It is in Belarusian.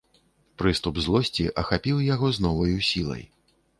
Прыступ злосці ахапіў яго з новаю сілай.